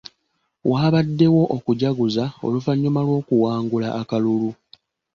Waabaddewo okujaguza oluvannyuma lw'okuwangula akalulu.